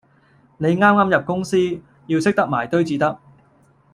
你啱啱入公司，要識得埋堆至得